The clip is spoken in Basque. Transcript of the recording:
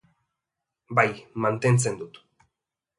Bai, mantentzen dut.